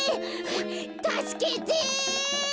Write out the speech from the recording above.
たすけて！